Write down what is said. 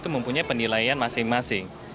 mempunyai penilaian masing masing